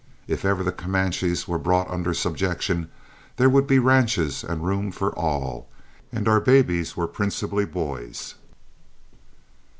If ever the Comanches were brought under subjection there would be ranches and room for all; and our babies were principally boys.